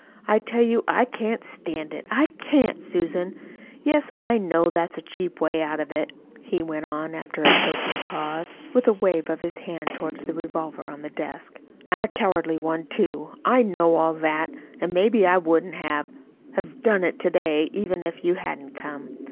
I tell you I can't stand it I CAN'T, Susan. Yes, I know that's a cheap way out of it," he went on, after a choking pause, with a wave of his hand toward the revolver on the desk;" and a cowardly one, too. I know all that. And maybe I wouldn't have have done it to day, even if you hadn't come.